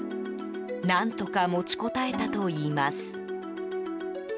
何とか持ちこたえたといいます。